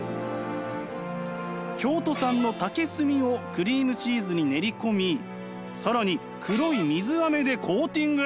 京都産の竹炭をクリームチーズに練り込み更に黒い水アメでコーティング！